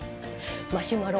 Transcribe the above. マシュマロ。